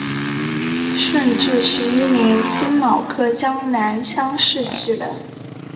顺治十一年辛卯科江南乡试举人。